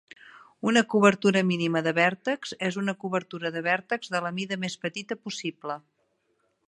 Una "cobertura mínima de vèrtexs" és una cobertura de vèrtexs de la mida més petita possible.